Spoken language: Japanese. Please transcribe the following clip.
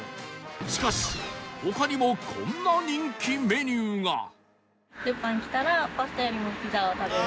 しかし他にもこんな人気メニューが